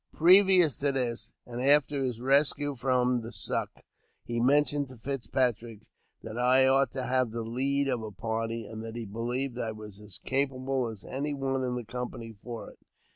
Previous to this, and after his rescue from the " Suck," he mentioned to Fitzpatrick that I ought to have the lead of a party, and that he believed I was as capable as any one in the company for it.